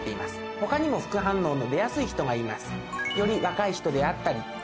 他にも副反応の出やすい人がいます。